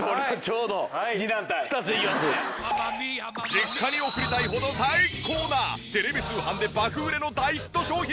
実家に送りたいほど最高なテレビ通販で爆売れの大ヒット商品を。